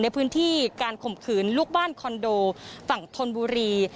ในพื้นที่การข่มขืนลูกบ้านคอนโดฝั่งธนบุรี